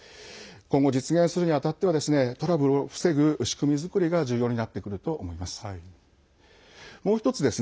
今後、実現するにあたってはトラブルを防ぐ仕組み作りが重要になってくると思います。